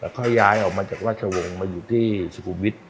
ค่อยย้ายออกมาจากราชวงศ์มาอยู่ที่สุขุมวิทย